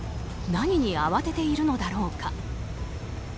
何に慌てているのだろうか。